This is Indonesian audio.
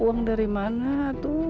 uang dari mana tuh